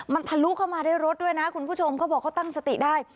มันทะลุเข้ามาได้รถด้วยนะคุณผู้ชมเขาบอกเขาตั้งสติได้